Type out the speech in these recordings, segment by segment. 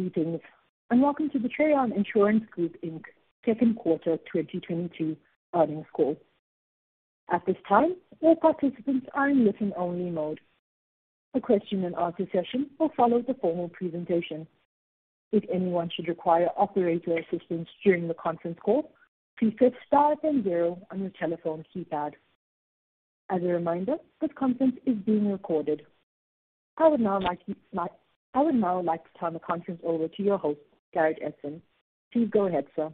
Greetings, welcome to the Trean Insurance Group, Inc. Second Quarter 2022 Earnings Call. At this time, all participants are in listen-only mode. A question and answer session will follow the formal presentation. If anyone should require operator assistance during the conference call, please press * the 0 on your telephone keypad. As a reminder, this conference is being recorded. I would now like to turn the conference over to your host, Garrett Edson. Please go ahead, sir.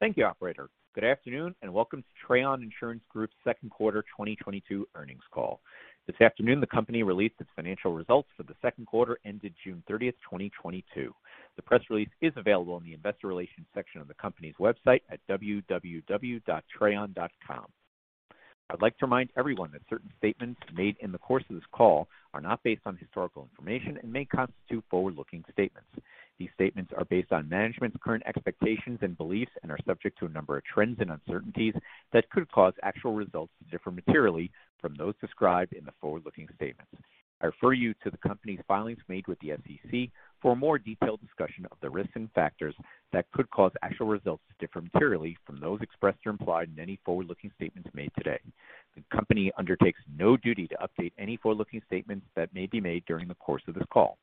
Thank you, operator. Good afternoon, and welcome to Trean Insurance Group's second quarter 2022 earnings call. This afternoon, the company released its financial results for the second quarter ended June 30, 2022. The press release is available in the investor relations section of the company's website at www.trean.com. I'd like to remind everyone that certain statements made in the course of this call are not based on historical information and may constitute forward-looking statements. These statements are based on management's current expectations and beliefs and are subject to a number of trends and uncertainties that could cause actual results to differ materially from those described in the forward-looking statements. I refer you to the Company's filings made with the SEC for a more detailed discussion of the risks and factors that could cause actual results to differ materially from those expressed or implied in any forward-looking statements made today. The Company undertakes no duty to update any forward-looking statements that may be made during the course of this call.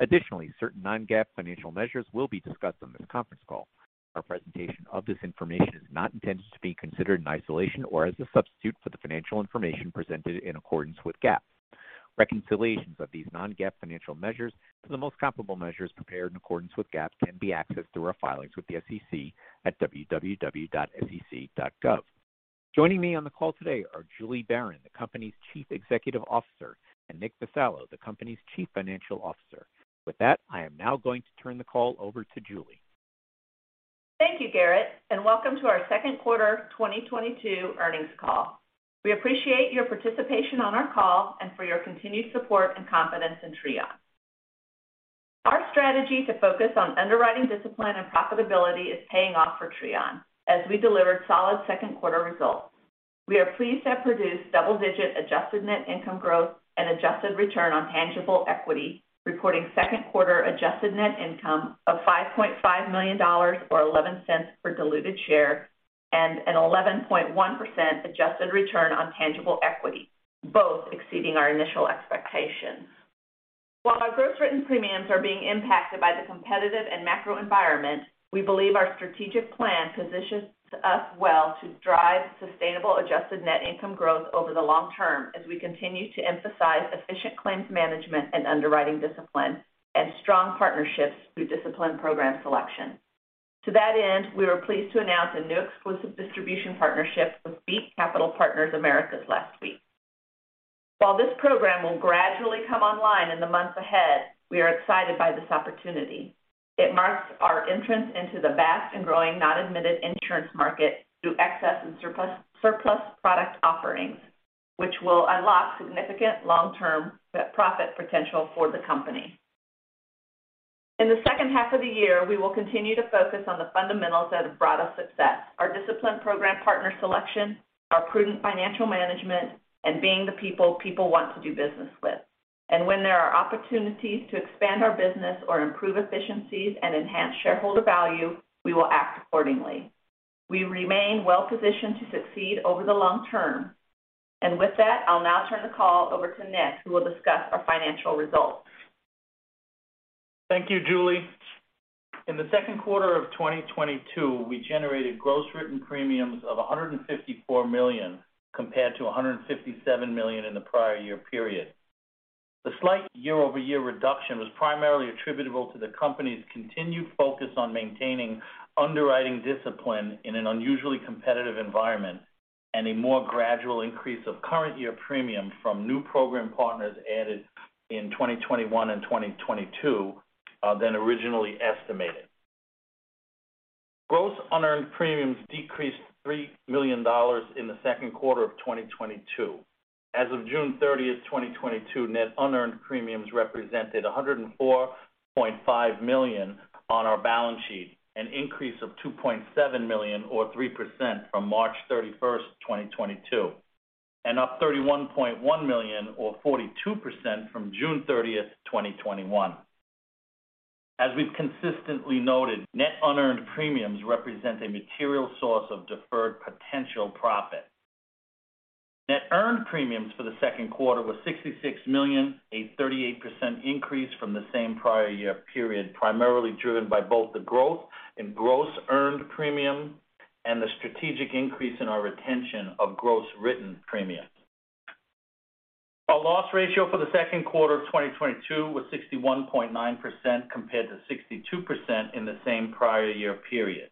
Additionally, certain non-GAAP financial measures will be discussed on this conference call. Our presentation of this information is not intended to be considered in isolation or as a substitute for the financial information presented in accordance with GAAP. Reconciliations of these non-GAAP financial measures to the most comparable measures prepared in accordance with GAAP can be accessed through our filings with the SEC at www.sec.gov. Joining me on the call today are Julie Baron, the company's Chief Executive Officer, and Nick Vassallo, the company's Chief Financial Officer. With that, I am now going to turn the call over to Julie. Thank you, Garrett, and welcome to our second quarter 2022 earnings call. We appreciate your participation on our call and for your continued support and confidence in Trean. Our strategy to focus on underwriting discipline and profitability is paying off for Trean as we delivered solid second quarter results. We are pleased to have produced double-digit adjusted net income growth and adjusted return on tangible equity, reporting second-quarter adjusted net income of $5.5 million or $0.11 per diluted share and an 11.1% adjusted return on tangible equity, both exceeding our initial expectations. While our gross written premiums are being impacted by the competitive and macro environment, we believe our strategic plan positions us well to drive sustainable adjusted net income growth over the long term as we continue to emphasize efficient claims management and underwriting discipline and strong partnerships through disciplined program selection. To that end, we were pleased to announce a new exclusive distribution partnership with Beat Capital Partners Americas last week. While this program will gradually come online in the months ahead, we are excited by this opportunity. It marks our entrance into the vast and growing non-admitted insurance market through excess and surplus product offerings, which will unlock significant long-term profit potential for the company. In the second half of the year, we will continue to focus on the fundamentals that have brought us success, our disciplined program partner selection, our prudent financial management, and being the people people want to do business with. When there are opportunities to expand our business or improve efficiencies and enhance shareholder value, we will act accordingly. We remain well-positioned to succeed over the long term. With that, I'll now turn the call over to Nick, who will discuss our financial results. Thank you, Julie. In the second quarter of 2022, we generated gross written premiums of $154 million compared to $157 million in the prior year period. The slight year-over-year reduction was primarily attributable to the company's continued focus on maintaining underwriting discipline in an unusually competitive environment and a more gradual increase of current year premium from new program partners added in 2021 and 2022 than originally estimated. Gross unearned premiums decreased $3 million in the second quarter of 2022. As of June 30, 2022, net unearned premiums represented $104.5 million on our balance sheet, an increase of $2.7 million or 3% from March 31, 2022, and up $31.1 million or 42% from June 30, 2021. As we've consistently noted, net unearned premiums represent a material source of deferred potential profit. Net earned premiums for the second quarter was $66 million, a 38% increase from the same prior year period, primarily driven by both the growth in gross earned premium and the strategic increase in our retention of gross written premium. Our loss ratio for the second quarter of 2022 was 61.9% compared to 62% in the same prior year period.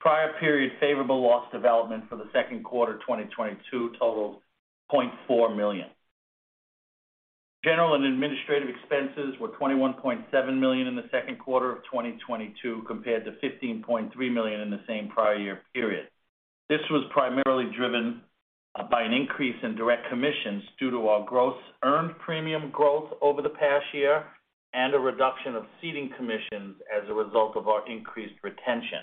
Prior period favorable loss development for the second quarter 2022 totaled $0.4 million. General and administrative expenses were $21.7 million in the second quarter of 2022 compared to $15.3 million in the same prior year period. This was primarily driven by an increase in direct commissions due to our gross earned premium growth over the past year and a reduction of ceding commissions as a result of our increased retention.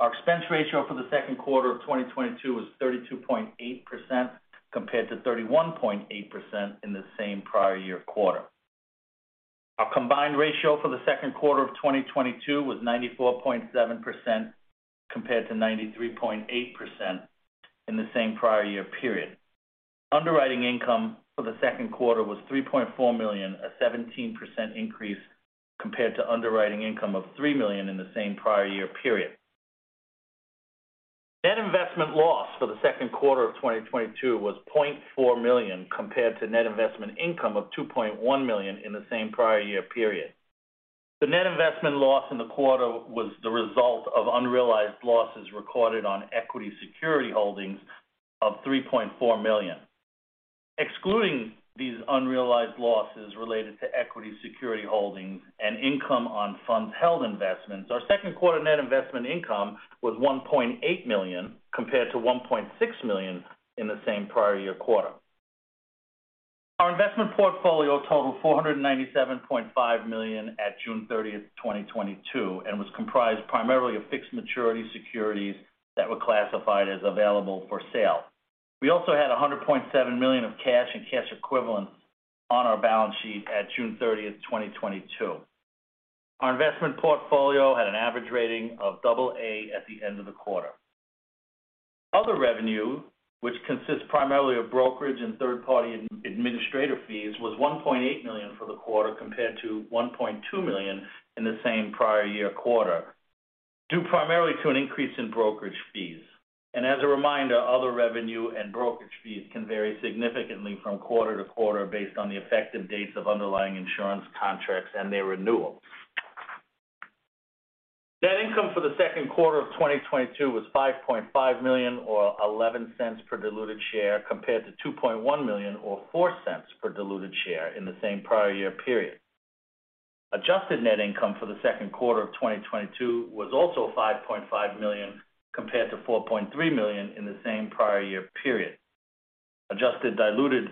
Our expense ratio for the second quarter of 2022 was 32.8% compared to 31.8% in the same prior year quarter. Our combined ratio for the second quarter of 2022 was 94.7% compared to 93.8% in the same prior year period. Underwriting income for the second quarter was $3.4 million, a 17% increase compared to underwriting income of $3 million in the same prior year period. Net investment loss for the second quarter of 2022 was $0.4 million compared to net investment income of $2.1 million in the same prior year period. The net investment loss in the quarter was the result of unrealized losses recorded on equity security holdings of $3.4 million. Excluding these unrealized losses related to equity security holdings and income on funds held investments, our second quarter net investment income was $1.8 million, compared to $1.6 million in the same prior year quarter. Our investment portfolio totaled $497.5 million at June 30, 2022, and was comprised primarily of fixed maturity securities that were classified as available for sale. We also had $100.7 million of cash and cash equivalents on our balance sheet at June 30, 2022. Our investment portfolio had an average rating of AA at the end of the quarter. Other revenue, which consists primarily of brokerage and third-party ad-administrator fees, was $1.8 million for the quarter, compared to $1.2 million in the same prior year quarter, due primarily to an increase in brokerage fees. As a reminder, other revenue and brokerage fees can vary significantly from quarter to quarter based on the effective dates of underlying insurance contracts and their renewals. Net income for the second quarter of 2022 was $5.5 million or $0.11 per diluted share, compared to $2.1 million or $0.04 per diluted share in the same prior year period. Adjusted net income for the second quarter of 2022 was also $5.5 million, compared to $4.3 million in the same prior year period. Adjusted diluted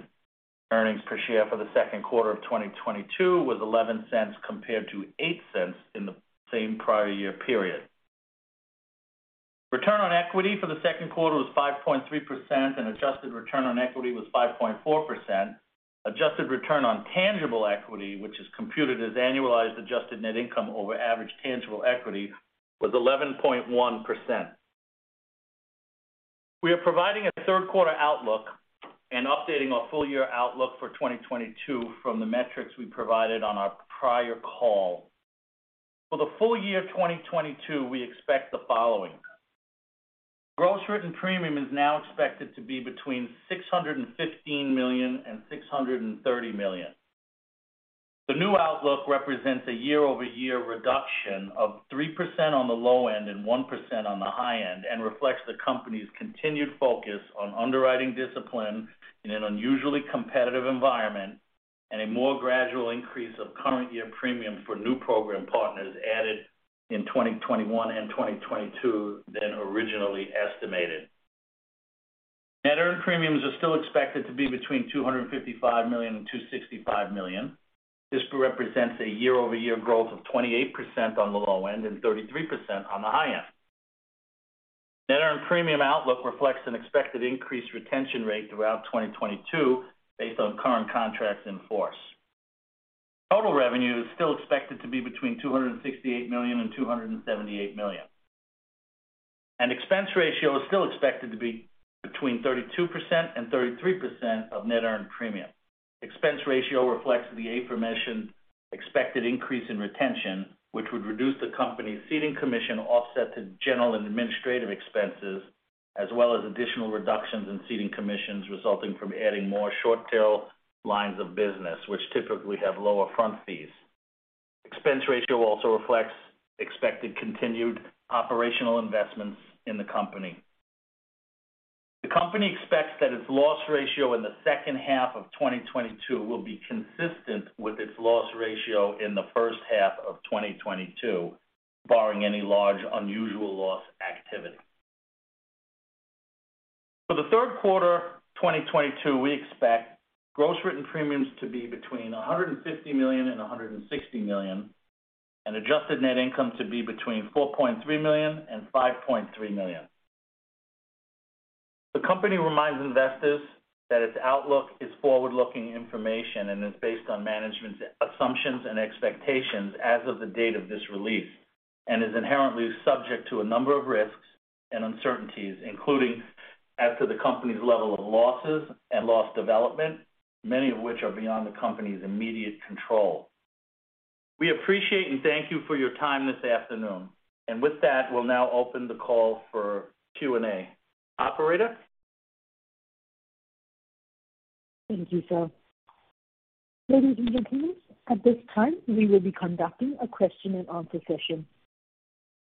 earnings per share for the second quarter of 2022 was $0.11 compared to $0.08 in the same prior year period. Return on equity for the second quarter was 5.3%, and adjusted return on equity was 5.4%. Adjusted return on tangible equity, which is computed as annualized adjusted net income over average tangible equity, was 11.1%. We are providing a third quarter outlook and updating our full year outlook for 2022 from the metrics we provided on our prior call. For the full year of 2022, we expect the following. Gross written premium is now expected to be between $615 million and $630 million. The new outlook represents a year-over-year reduction of 3% on the low end and 1% on the high end, and reflects the company's continued focus on underwriting discipline in an unusually competitive environment and a more gradual increase of current year premium for new program partners added in 2021 and 2022 than originally estimated. Net earned premiums are still expected to be between $255 million and $265 million. This represents a year-over-year growth of 28% on the low end and 33% on the high end. Net earned premium outlook reflects an expected increased retention rate throughout 2022, based on current contracts in force. Total revenue is still expected to be between $268 million and $278 million. Expense ratio is still expected to be between 32%-33% of net earned premium. Expense ratio reflects the aforementioned expected increase in retention, which would reduce the company's ceding commission offset to general and administrative expenses, as well as additional reductions in ceding commissions resulting from adding more short-tail lines of business, which typically have lower fronting fees. Expense ratio also reflects expected continued operational investments in the company. The company expects that its loss ratio in the second half of 2022 will be consistent with its loss ratio in the first half of 2022, barring any large unusual loss activity. For the third quarter 2022, we expect gross written premiums to be between $150 million and $160 million, and adjusted net income to be between $4.3 million and $5.3 million. The company reminds investors that its outlook is forward-looking information and is based on management's assumptions and expectations as of the date of this release and is inherently subject to a number of risks and uncertainties, including as to the company's level of losses and loss development, many of which are beyond the company's immediate control. We appreciate and thank you for your time this afternoon. With that, we'll now open the call for Q&A. Operator? Thank you, sir. Ladies and gentlemen, at this time, we will be conducting a question and answer session.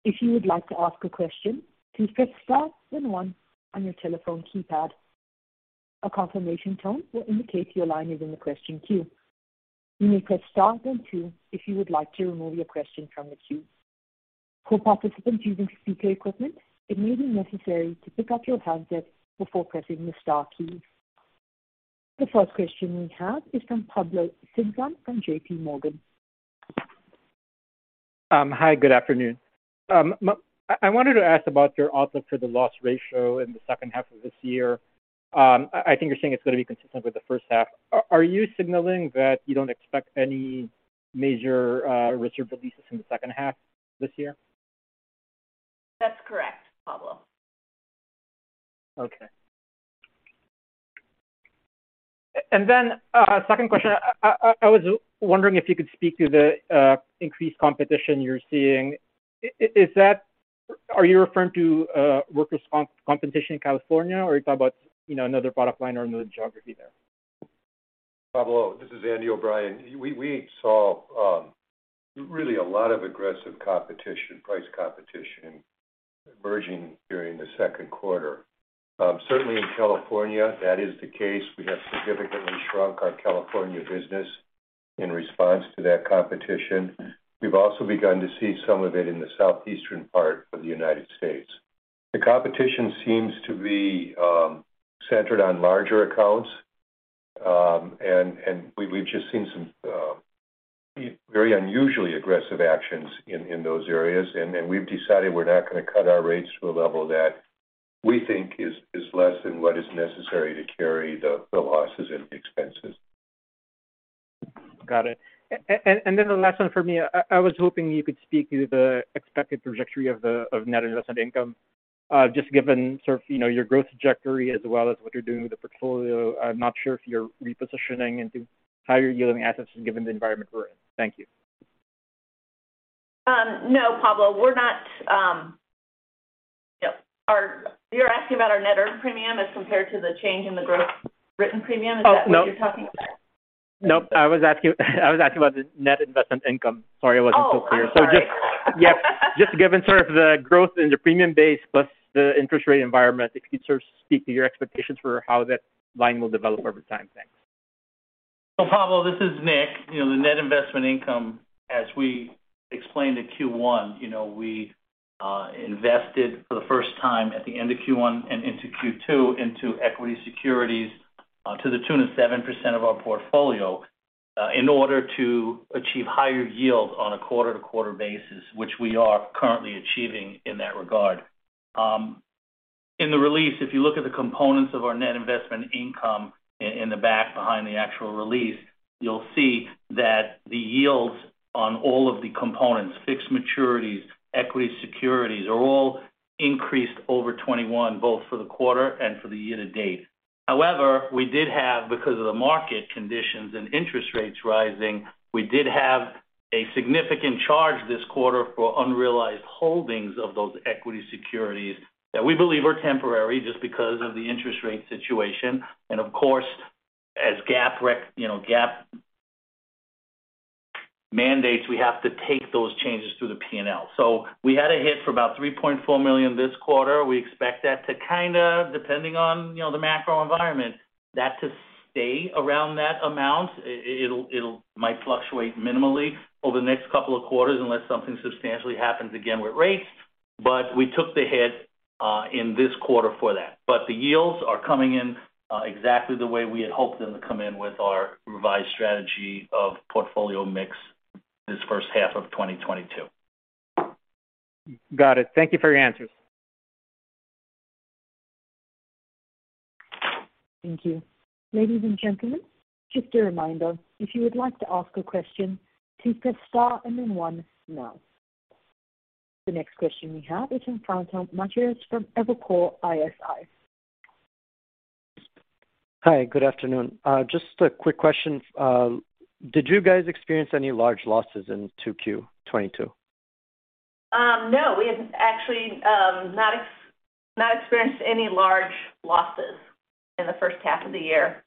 If you would like to ask a question, please press * the 1 on your telephone keypad. A confirmation tone will indicate your line is in the question queue. You may press star then two if you would like to remove your question from the queue. For participants using speaker equipment, it may be necessary to pick up your handset before pressing the * key. the first question we have is from Pablo Singzon from J.P. Morgan. Hi, good afternoon. I wanted to ask about your outlook for the loss ratio in the second half of this year. I think you're saying it's gonna be consistent with the first half. Are you signaling that you don't expect any major reserve releases in the second half this year? That's correct, Pablo. Okay. Second question, I was wondering if you could speak to the increased competition you're seeing. Is that? Are you referring to workers' compensation in California or are you talking about, you know, another product line or another geography there? Pablo, this is Andy O'Brien. We saw really a lot of aggressive competition, price competition emerging during the second quarter. Certainly in California that is the case. We have significantly shrunk our California business in response to that competition. We've also begun to see some of it in the southeastern part of the United States. The competition seems to be centered on larger accounts, and we've just seen some very unusually aggressive actions in those areas. We've decided we're not gonna cut our rates to a level that we think is less than what is necessary to carry the losses and the expenses. Got it. The last one for me. I was hoping you could speak to the expected trajectory of net investment income, just given sort of, you know, your growth trajectory as well as what you're doing with the portfolio. I'm not sure if you're repositioning into higher yielding assets given the environment we're in. Thank you. No, Pablo, we're not. You're asking about our net earned premium as compared to the change in gross written premium? Oh, no. Is that what you're talking about? Nope. I was asking about the net investment income. Sorry I wasn't so clear. Oh, I'm sorry. Just,, just given sort of the growth in the premium base plus the interest rate environment, if you'd sort of speak to your expectations for how that line will develop over time? Thanks. Pablo, this is Nick. You know, the net investment income, as we explained at Q1, you know, we invested for the first time at the end of Q1 and into Q2 into equity securities to the tune of 7% of our portfolio in order to achieve higher yields on a quarter-to-quarter basis, which we are currently achieving in that regard. In the release, if you look at the components of our net investment income in the back behind the actual release, you'll see that the yields on all of the components, fixed maturities, equity securities, are all increased over 2021, both for the quarter and for the year to date. However, we did have, because of the market conditions and interest rates rising, a significant charge this quarter for unrealized holdings of those equity securities that we believe are temporary just because of the interest rate situation. Of course, you know, GAAP mandates, we have to take those changes through the P&L. We had a hit for about $3.4 million this quarter. We expect that to kinda, depending on, you know, the macro environment, to stay around that amount. It'll might fluctuate minimally over the next couple of quarters unless something substantially happens again with rates. We took the hit in this quarter for that. The yields are coming in exactly the way we had hoped them to come in with our revised strategy of portfolio mix this first half of 2022. Got it. Thank you for your answers. Thank you. Ladies and gentlemen, just a reminder, if you would like to ask a question, please press * and then 1 now. The next question we have is from Francois Matthews from Evercore ISI. Hi, good afternoon. Just a quick question. Did you guys experience any large losses in 2Q 2022? No, we have actually not experienced any large losses in the first half of the year.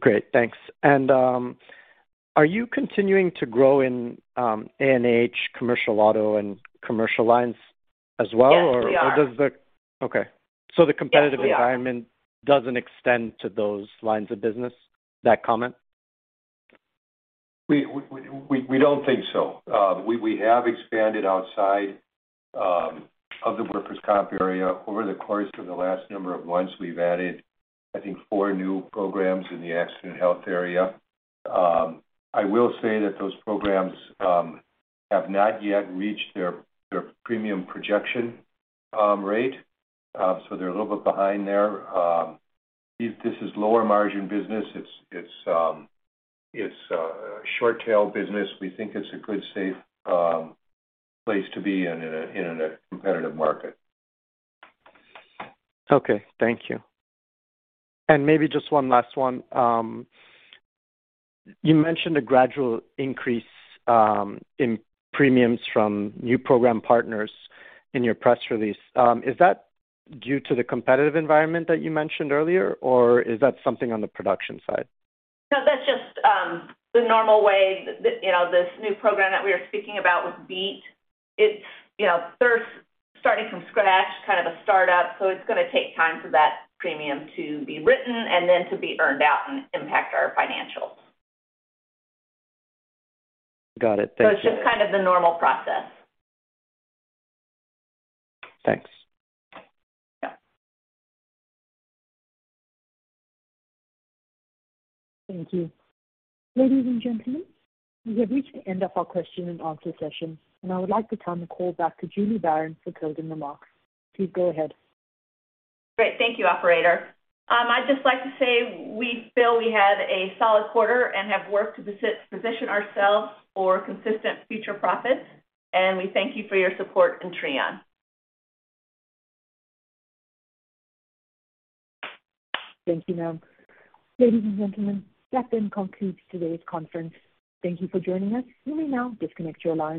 Great. Thanks. Are you continuing to grow in A&H, commercial auto, and commercial lines as well? Yes, we are. Okay. Yes, we are. The competitive environment doesn't extend to those lines of business, that comment? We don't think so. We have expanded outside of the workers' comp area. Over the course of the last number of months, we've added, I think, 4 new programs in the Accident & Health area. I will say that those programs have not yet reached their premium projection rate, so they're a little bit behind there. This is lower margin business. It's short-tail business. We think it's a good, safe place to be in a competitive market. Okay. Thank you. Maybe just one last one. You mentioned a gradual increase in premiums from new program partners in your press release. Is that due to the competitive environment that you mentioned earlier, or is that something on the production side? No, that's just the normal way. You know, this new program that we were speaking about with Beat, it's, you know, they're starting from scratch, kind of a startup, so it's gonna take time for that premium to be written and then to be earned out and impact our financials. Got it. Thank you. It's just kind of the normal process. Thanks. Thank you. Ladies and gentlemen, we have reached the end of our question and answer session, and I would like to turn the call back to Julie Baron for closing remarks. Please go ahead. Great. Thank you, operator. I'd just like to say we feel we had a solid quarter and have worked to position ourselves for consistent future profits, and we thank you for your support in Trean. Thank you, ma'am. Ladies and gentlemen, that then concludes today's conference. Thank you for joining us. You may now disconnect your lines.